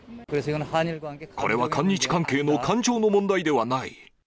これは韓日関係の感情の問題